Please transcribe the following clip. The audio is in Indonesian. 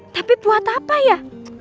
tapi buat apa ya